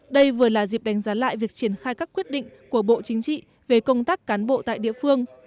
đây vừa là dịp đánh giá lại việc triển khai các quyết định của bộ chính trị về công tác cán bộ tại địa phương